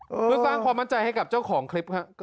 เพื่อสร้างความมั่นใจให้กับเจ้าของคลิปครับ